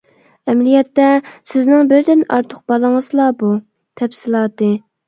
ئەمەلىيەتتە، سىزنىڭ بىردىن ئارتۇق بالىڭىزلا بۇ. تەپسىلاتى.